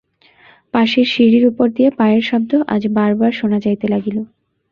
পাশের সিঁড়ির উপর দিয়া পায়ের শব্দ আজ বারবার শোনা যাইতে লাগিল।